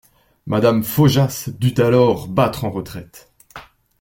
Madame Faujas dut alors battre en retraite.